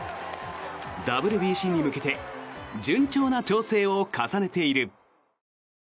ＷＢＣに向けて順調な調整を重ねている。